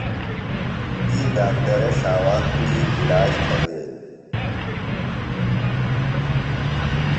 تی ڈاکٹرہ ݜاوا کُڑی علاج تھویلیۡ۔